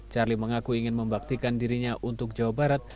charlie mengaku ingin membaktikan dirinya untuk jawa barat